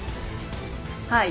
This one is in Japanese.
はい。